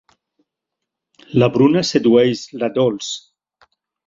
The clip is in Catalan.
La Bruna sedueix la Dols.